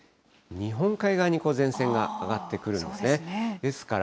日本海側に前線が上がってくるんですね。